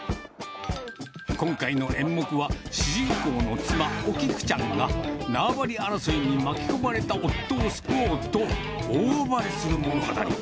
今回の演目は、主人公の妻、お菊ちゃんが縄張り争いに巻き込まれた夫を救おうと大暴れする物語。